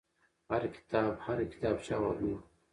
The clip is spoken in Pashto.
هر کتاب هر کتابچه او نور.